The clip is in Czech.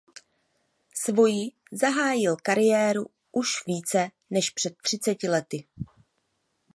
Svoji zahájil kariéru už více než před třiceti lety.